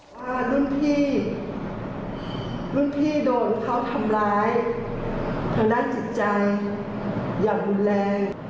ว่ารุ่นพี่รุ่นพี่โดนเขาทำร้ายทางด้านจิตใจอย่างรุนแรง